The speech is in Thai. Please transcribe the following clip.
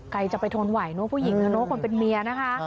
ใครจะไปทนไหวเนอะผู้หญิงนะเนอะคนเป็นเมียนะคะ